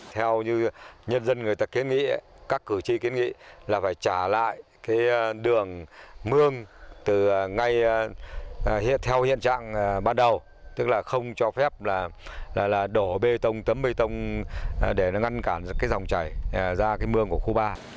theo như nhân dân người ta kiến nghĩ các cử tri kiến nghĩ là phải trả lại đường mương theo hiện trạng ban đầu tức là không cho phép đổ bê tông tấm bê tông để ngăn cản dòng chảy ra mương của khu ba